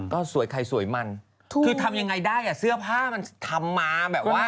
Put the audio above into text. ก็สวยใครสวยมันคือทำยังไงได้อ่ะเสื้อผ้ามันทำมาแบบว่า